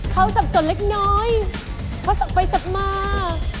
เขาสับสนเล็กน้อยเขาสับไปสับมา